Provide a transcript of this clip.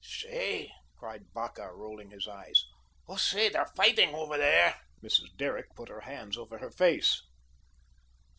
"Say," cried Vacca, rolling his eyes, "oh, say, they're fighting over there." Mrs. Derrick put her hands over her face.